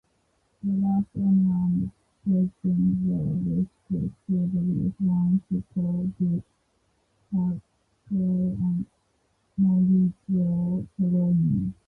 The last owner and president were respectively Francesco De Pasquale and Maurizio Soloni.